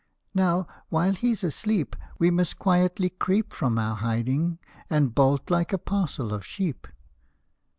" Now while he 's asleep We must quietly creep From our hiding, and bolt like a parcel of sheep